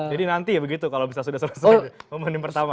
jadi nanti begitu kalau sudah sudah